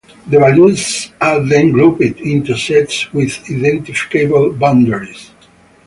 The values are then grouped into sets with identifiable boundaries.